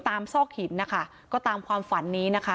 ซอกหินนะคะก็ตามความฝันนี้นะคะ